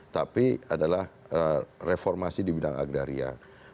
tapi adalah reformasi di bidang agraria